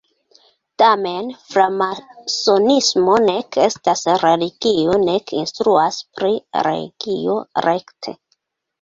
Tamen, framasonismo nek estas religio, nek instruas pri religio rekte.